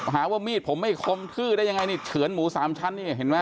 หาว่ามีดผมไม่คมทื้อได้ยังไงนี่เฉือนหมูสามชั้นนี่เห็นไหม